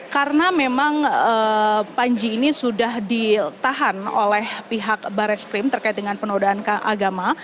karena memang panjigu milang ini sudah ditahan oleh pihak bares krim terkait dengan penodaan agama